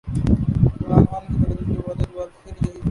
عمران خان کی تقریر کے بعد ایک بار پھر یہی فضا ہے۔